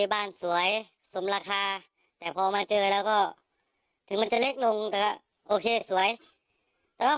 บ้านสวยสมราคาแต่พอมาเจอแล้วก็ถึงมันจะเล็กลงแต่ว่าสวยแต่ว่า